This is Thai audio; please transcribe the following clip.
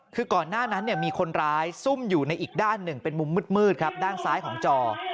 คือก่อนหน้านั้นมีคนร้ายซุ่มอยู่ในอีกด้านหนึ่งเป็นมุมมืดครับด้านซ้ายของจอ